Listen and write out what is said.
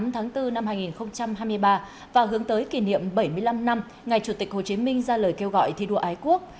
một mươi tháng bốn năm hai nghìn hai mươi ba và hướng tới kỷ niệm bảy mươi năm năm ngày chủ tịch hồ chí minh ra lời kêu gọi thi đua ái quốc